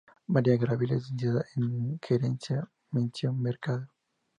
María Gabriela es Licenciada en Gerencia, mención mercadeo.